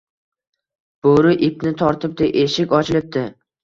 Boʻri ipni tortibdi — eshik ochilibdi